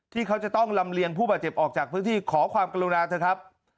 ที่เขาจะต้องลำเลียงผู้บาดเจ็บออกจากพื้นที่ขอความกรุณาเถอะครับ